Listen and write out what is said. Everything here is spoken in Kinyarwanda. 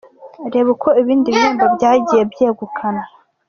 Reba uko ibindi bihembo byagiye byegukanwa:.